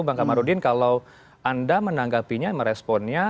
bang kamarudin kalau anda menanggapinya meresponnya